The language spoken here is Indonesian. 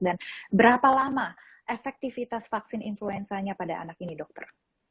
dan berapa lama efektivitas vaksin influenzanya pada anak ini dokter